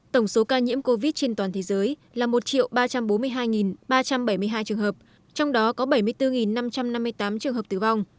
tổng số ca nhiễm covid trên toàn thế giới là một ba trăm bốn mươi hai ba trăm bảy mươi hai trường hợp trong đó có bảy mươi bốn năm trăm năm mươi tám trường hợp tử vong